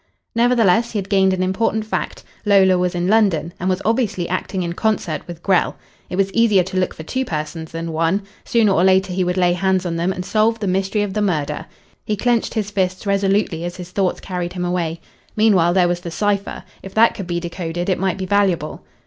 Nevertheless he had gained an important fact. Lola was in London and was obviously acting in concert with Grell. It was easier to look for two persons than one. Sooner or later he would lay hands on them and solve the mystery of the murder. He clenched his fists resolutely as his thoughts carried him away. Meanwhile there was the cipher. If that could be de coded it might be valuable.